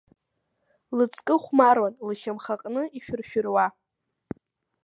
Лыҵкы хәмаруан лшьамх аҟны, ишәыр-шәыруа.